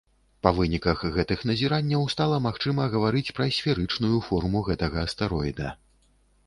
Па выніках гэтых назіранняў стала магчыма гаварыць пра сферычную форму гэтага астэроіда.